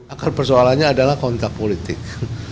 akar persoalannya adalah kontrak politik